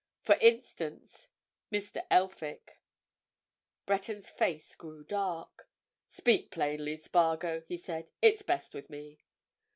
For instance—Mr. Elphick." Breton's face grew dark. "Speak plainly, Spargo!" he said. "It's best with me."